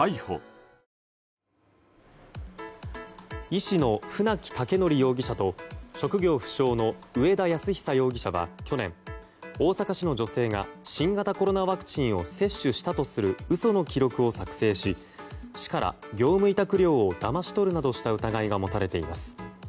医師の船木威徳容疑者と職業不詳の上田泰久容疑者は去年、大阪市の女性が新型コロナワクチンを接種したとする嘘の記録を作成し市から業務委託料をだまし取るなどした疑いが持たれています。